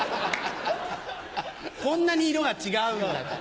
こんなに色が違うんだから。